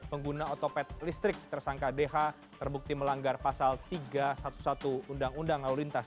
pengguna otopet listrik tersangka dh terbukti melanggar pasal tiga ratus sebelas undang undang lalu lintas